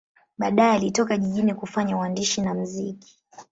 Baadaye alitoka jijini kufanya uandishi na muziki.